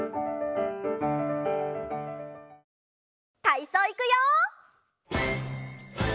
たいそういくよ！